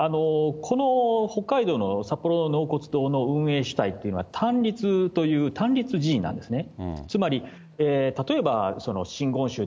この北海道の札幌の納骨堂の運営主体というのは、たんりつという、単立寺院なんですね。